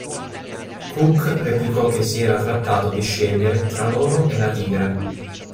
Cooke replicò che si era trattato di scegliere tra loro e la tigre.